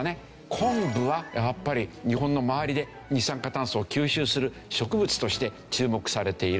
昆布はやっぱり日本の周りで二酸化炭素を吸収する植物として注目されている。